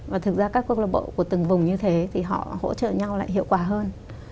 và thực ra các câu lạc bộ của từng vùng như thế thì họ hỗ trợ nhau lại hiệu quả hơn